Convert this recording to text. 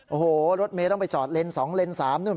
โอ้โหรถเมย์ต้องไปจอดเลนส์๒เลนส์๓นู่น